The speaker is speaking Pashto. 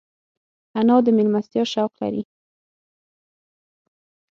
انا د مېلمستیا شوق لري